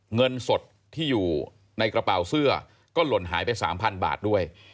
เงินสดที่อยู่ในกระเป๋าเสื้อก็หล่นหายไป๓๐๐๐บาทด้วย